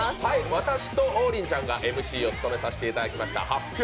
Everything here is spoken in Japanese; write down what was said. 私と王林ちゃんがＭＣを務めさせていただきました「発表！